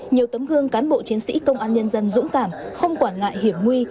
nhiều tấm gương cán bộ chiến sĩ công an nhân dân dũng cảm không quản ngại hiểm nguy